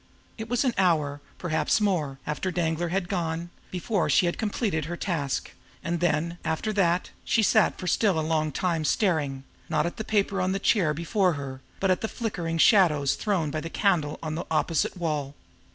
It was an hour, perhaps more, after Danglar had gone, before she had completed her task; and then, after that, she sat for still a long time staring, not at the paper on the chair before her, but at the flickering shadows thrown by the candle on the opposite wall.